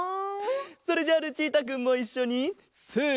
それじゃあルチータくんもいっしょにせの。